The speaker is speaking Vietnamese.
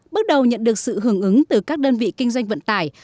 bước đầu nhận được sự hưởng ứng từ các đơn vị kinh doanh vận tải